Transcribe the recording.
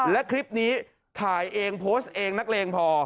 และคลิปนี้ถ่ายเองโพสต์เองนักเลงพอ